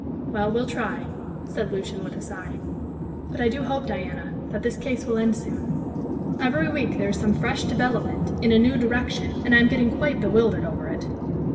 "Well, we'll try," said Lucian, with a sigh. "But I do hope, Diana, that this case will end soon. Every week there is some fresh development in a new direction, and I am getting quite bewildered over it."